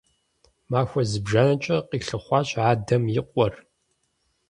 Махуэ зыбжанэкӀэ къилъыхъуащ адэм и къуэр.